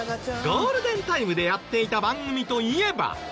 ゴールデンタイムでやっていた番組といえば。